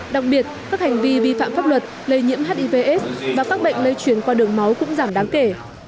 đặc biệt các hành vi vi phạm pháp luật lây nhiễm hiv aids và các bệnh lây chuyển qua đường máu cũng giảm đáng kể